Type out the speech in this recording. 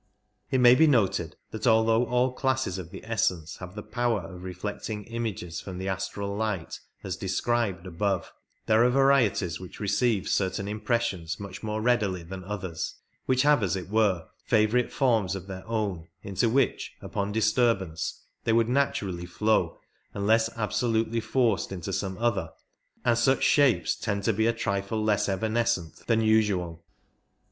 It may be noted that although all classes of the essence have the power of reflecting images from the astral light as described above, there are varieties which receive certain impressions much more readily than others — which have, as it were, favourite forms of their own into which upon disturbance they would naturally flow unless absolutely forced into 56 some other, and such shapes tend to be a trifle less evanescent than usual.